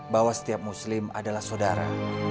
bahwa setiap muslim adalah saudara